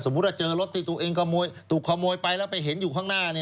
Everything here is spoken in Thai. ว่าเจอรถที่ตัวเองขโมยถูกขโมยไปแล้วไปเห็นอยู่ข้างหน้า